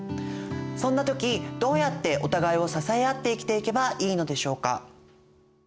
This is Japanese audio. そんな時どうやってお互いを支え合って生きていけばいいのでしょうか。